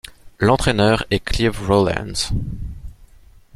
L'entraîneur est Clive Rowlands.